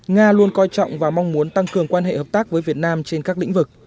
nga luôn coi trọng và mong muốn tăng cường quan hệ hợp tác với việt nam trên các lĩnh vực